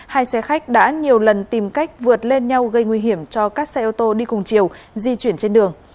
hai xe khách đã nhiều lần tìm cách vượt lên nhau gây nguy hiểm cho các xe ô tô đi cùng chiều di chuyển trên đường